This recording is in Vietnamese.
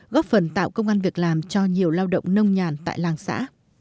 góp phần tạo công an việc làm cho nhiều lao động nông nhàn tại làng xã